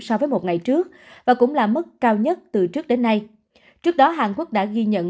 so với một ngày trước và cũng là mức cao nhất từ trước đến nay trước đó hàn quốc đã ghi nhận